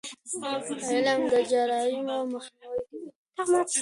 علم د جرایمو مخنیوی کوي.